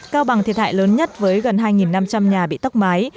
cao bằng thiệt hại lớn nhất với gần hai năm trăm linh nhà bị tốc mái